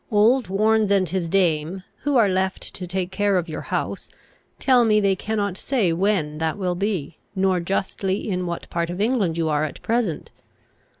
Old Warnes and his dame, who are left to take care of your house, tell me they cannot say when that will be, nor justly in what part of England you are at present.